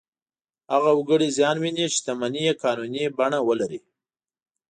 هغه وګړي زیان ویني چې شتمنۍ یې قانوني بڼه ولري.